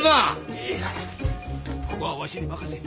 いいからここはわしに任せえ。